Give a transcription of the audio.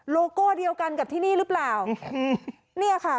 โลโก้เดียวกันกับที่นี่หรือเปล่าเนี่ยค่ะ